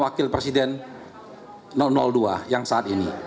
wakil presiden dua yang saat ini